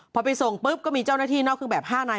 พอไปส่งปุ๊บก็มีเจ้าหน้าที่นอกเครื่องแบบ๕นาย